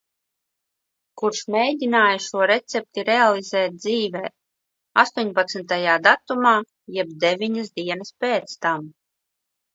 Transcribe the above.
Kurš mēģināja šo recepti realizēt dzīvē. Astoņpadsmitajā datumā, jeb deviņas dienas pēc tam.